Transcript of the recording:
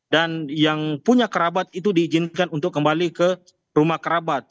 dan yang punya kerabat itu diizinkan untuk kembali ke rumah kerabat